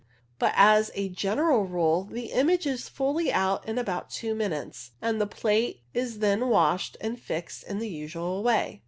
But as a general rule the image is fully out in about two minutes, and the plate is then washed and fixed in the usual way.